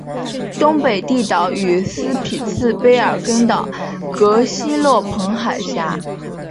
东北地岛与斯匹次卑尔根岛隔欣洛彭海峡。